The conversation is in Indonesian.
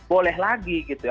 boleh lagi gitu ya